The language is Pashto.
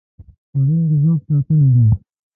خوړل د ذوق ساتنه ده